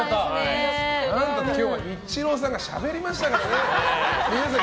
何たって今日はニッチローさんがしゃべりましたからね。